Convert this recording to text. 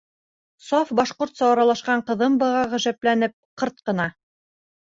Саф башҡортса аралашҡан ҡыҙым быға ғәжәпләнеп, ҡырт ҡына: